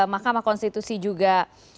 makamah konstitusi juga